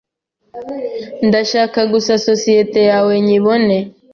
Ndashaka gusa sosiyete yawe nyibone